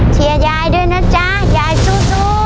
เชียร์ยายด้วยนะจ๊ะยายสู้